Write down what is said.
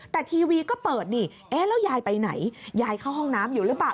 แต่ทีวีก็เปิดนี่เอ๊ะแล้วยายไปไหนยายเข้าห้องน้ำอยู่หรือเปล่า